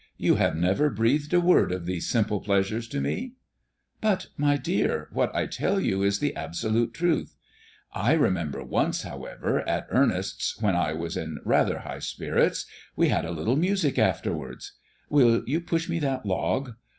You have never breathed a word of these simple pleasures to me." "But, my dear, what I tell you is the absolute truth. I remember once, however, at Ernest's, when I was in rather high spirits, we had a little music afterwards Will you push me that log?